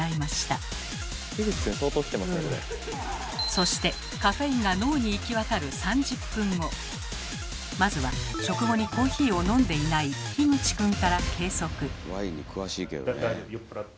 そしてカフェインが脳に行き渡るまずは食後にコーヒーを飲んでいないひぐち君から計測。